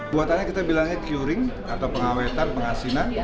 buatannya kita bilangnya curing atau pengawetan pengasinan